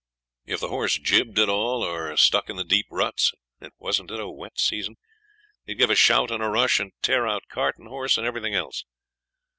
If the horse jibbed at all, or stuck in the deep ruts and wasn't it a wet season? they'd give a shout and a rush, and tear out cart and horse and everything else.